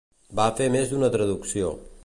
Va fer més d'una traducció.